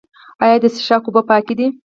آیا د څښاک اوبه پاکې دي؟